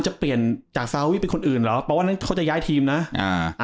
จะเปลี่ยนจากซาวี่เป็นคนอื่นเหรอเพราะว่านั้นเขาจะย้ายทีมนะอ่า